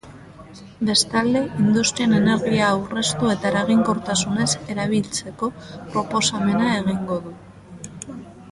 Bestalde, industrian energia aurreztu eta eraginkortasunez erabiltzeko proposamena egingo du.